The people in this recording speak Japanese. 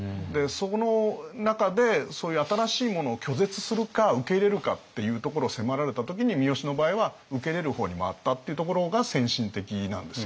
その中でそういう新しいものを拒絶するか受け入れるかっていうところを迫られた時に三好の場合は受け入れる方に回ったっていうところが先進的なんですよね。